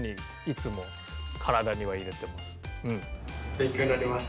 勉強になります。